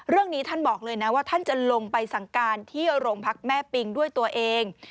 เรื่องนี้ท่านบอกเลยนะว่าท่านจะลงไปสั่งการที่โรงพักแม่ปิงด้วยตัวเอง